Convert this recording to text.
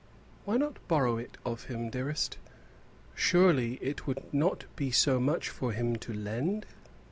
"Why not borrow it of him, dearest? Surely it would not be so much for him to lend."